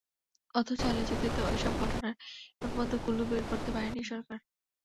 অথচ আলোচিত এসব ঘটনার এখন পর্যন্ত ক্লু বের করতে পারেনি সরকার।